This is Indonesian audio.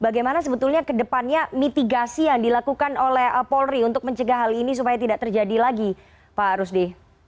bagaimana sebetulnya ke depannya mitigasi yang dilakukan oleh polri untuk mencegah hal ini supaya tidak terjadi lagi pak rusdi